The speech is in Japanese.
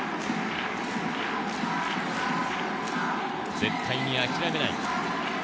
絶対に諦めない。